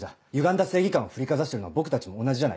歪んだ正義感を振りかざしてるのは僕たちも同じじゃないか。